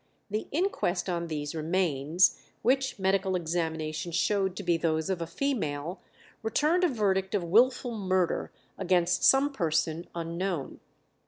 The inquest on these remains, which medical examination showed to be those of a female, returned a verdict of wilful murder against some person unknown.